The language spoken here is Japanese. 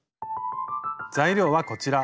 材料はこちら。